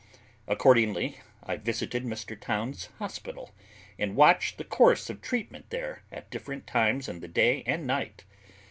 Accordingly, I visited Mr. Towns's hospital, and watched the course of treatment there at different times in the day and night.